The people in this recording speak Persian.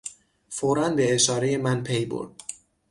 فورا به اشارهی من پی برد.